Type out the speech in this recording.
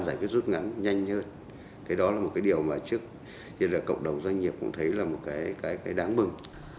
giải quyết rút ngắn nhanh hơn cái đó là một cái điều mà trước tiên là cộng đồng doanh nghiệp cũng thấy là một cái đáng mừng